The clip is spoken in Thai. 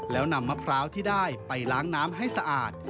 แล้วนำมะพร้าวที่ได้ไปล้างน้ำให้สะอาด